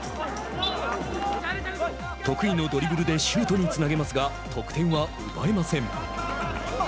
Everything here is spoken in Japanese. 得意のドリブルでシュートにつなげますが得点は奪えません。